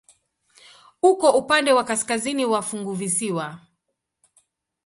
Uko upande wa kaskazini wa funguvisiwa.